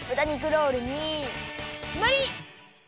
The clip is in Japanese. ロールにきまり！